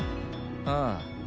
ああ。